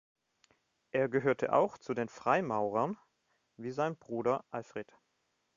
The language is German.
Er gehörte auch zu den Freimaurern, wie sein Bruder Alfred.